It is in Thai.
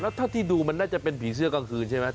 แล้วถ้าที่ดูมันน่าจะเป็นผีเสื้อกลางคืนใช่ไหม